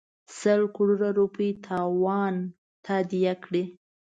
سل کروړه روپۍ تاوان تادیه کړي.